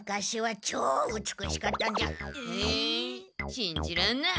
しんじらんない。